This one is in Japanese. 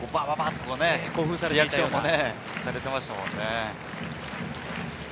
リアクションされていましたよね。